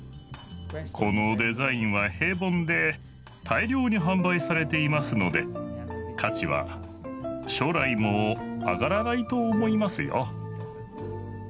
このデザインは平凡で大量に販売されていますので価値は将来も上がらないと思いますよ。